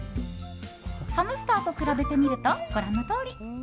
ハムスターと比べてみるとご覧のとおり。